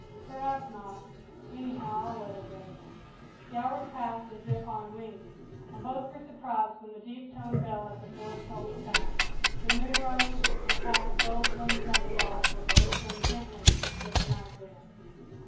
"Perhaps not anyhow, I'll let it go." The hours passed as if on wings, and both were surprised when the deep toned bell at the Fort tolled taps. The moon rose and a path of gold gleamed on the water, rippling gently with the night wind.